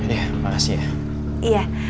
ya deh makasih ya